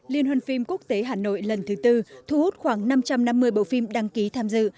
liên hoan phim quốc tế hà nội lần thứ tư thu hút khoảng năm trăm năm mươi bộ phim đăng ký tham dự